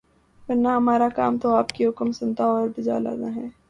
ورنہ ہمارا کام تو آپ کا حکم سننا اور بجا لانا ہے۔